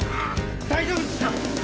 大丈夫ですか？